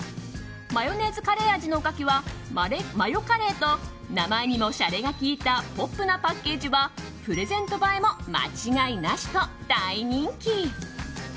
マヨネーズカレー味のおかきはマヨ彼ーと名前にもシャレがきいたポップなパッケージはプレゼント映えも間違いなしと大人気。